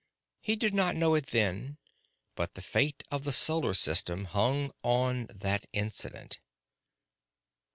He did not know it then, but the fate of the solar system hung on that incident.